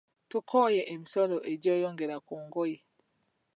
Tukooye emisolo egyeyongera ku ngoye.